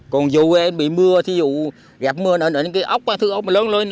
còn vụ bị mưa thí dụ gặp mưa nở lên cái ốc